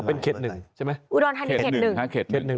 ก็เป็นเขตหนึ่งใช่ไหมอุดรฐานเป็นเขตหนึ่งค่ะเขตหนึ่ง